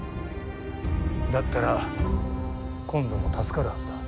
だったら今度も助かるはずだ。